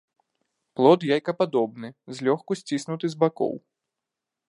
Плод яйкападобны, злёгку сціснуты з бакоў.